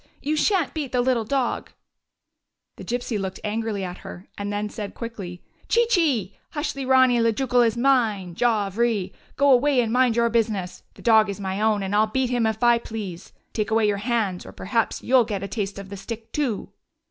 You sha'n't beat the little dog !" The Gypsy looked angrily at her, and then said, quickly: " Chee, chee! Hush, little Raunie, the Jucal 48 THE GYPSY DOG FINDS A NEW HOME is mine. Jaw vree . Go away and mind your business. The dog is my own, and I 'll beat him if I please. Take away your hands, or perhaps you 'll get a taste of the stick, too